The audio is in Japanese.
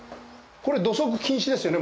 これ土足禁止ですよね。